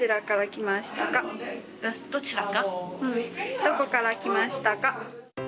どこから来ましたか？